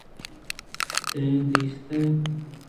داں دیستے